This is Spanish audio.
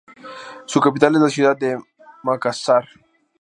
Su capital es la ciudad de Makassar.